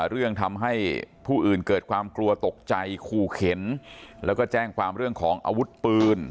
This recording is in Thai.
เรื่องทำให้ผู้อื่นเกิดความกลัวตกใจขู่เข็นแล้วก็แจ้งความเรื่องของอาวุธปืน